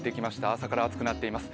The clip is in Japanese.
朝から暑くなっています。